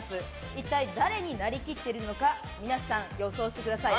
一体誰になりきっているのか皆さん、予想してください。